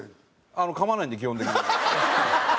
噛まないんで基本的に。